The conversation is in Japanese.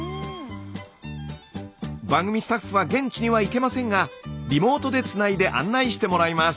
番組スタッフは現地には行けませんがリモートでつないで案内してもらいます。